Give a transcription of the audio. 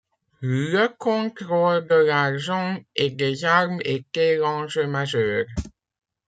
Le contrôle de l'argent et des armes était l'enjeu majeur.